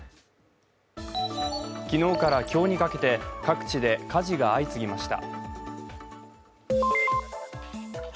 昨日から今日にかけて、各地で火事が相次ぎました。